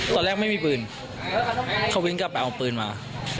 ตอนแรกไม่มีปืนเค้าวิ้งกำแล้วไปเอาปืนมา